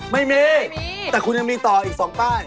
ไม่มีแต่คุณยังมีต่ออีก๒ป้าย